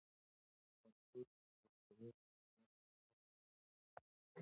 نو د ده ټول مخکيني او وروستني ګناهونه به ورته وبخښل شي